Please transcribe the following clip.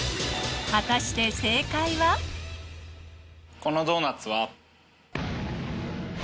果たしてこのドーナツは。